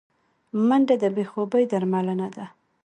منډه د بې خوبي درملنه ده